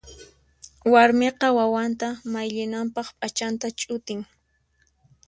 Warmiqa wawanta mayllinanpaq p'achanta ch'utin.